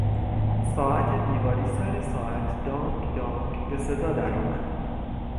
ساعت دیواری سر ساعت دانگ دانگ به صدا درآمد.